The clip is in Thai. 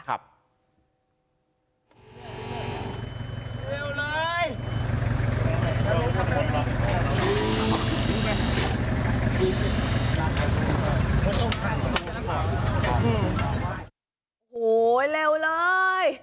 โหเร็วเลย